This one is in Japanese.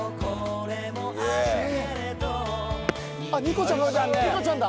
あっニコちゃん